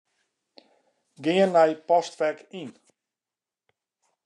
Gean nei Postfek Yn.